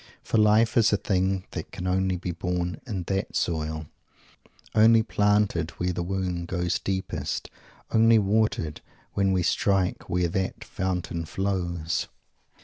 _ For Life is a thing that can only be born in that soil only planted where the wound goes deepest only watered when we strike where that fountain flows!